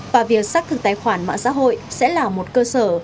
và việc xác thực tài khoản mạng xã hội sẽ là một cơ sở